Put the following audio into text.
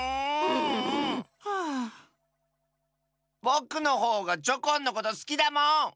ぼくのほうがチョコンのことすきだもん！